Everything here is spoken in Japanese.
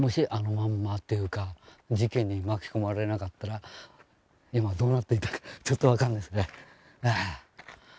まんまっていうか事件に巻き込まれなかったら今どうなっていたかちょっと分かんないですね。